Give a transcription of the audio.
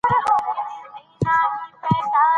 الله تعالی انسان ته هغه څه ور زده کړل چې نه پوهېده.